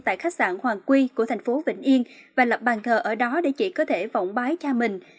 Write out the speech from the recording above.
tại khách sạn hoàng quy của thành phố vĩnh yên và lập bàn thờ ở đó để chị có thể phỏng mái cha mình